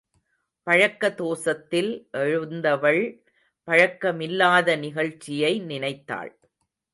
பழக்க தோசத்தில் எழுந்தவள் பழக்கமில்லாத நிகழ்ச்சியை நினைத்தாள்.